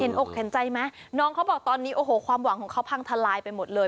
อกเห็นใจไหมน้องเขาบอกตอนนี้โอ้โหความหวังของเขาพังทลายไปหมดเลย